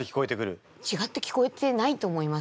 違って聞こえてないと思います。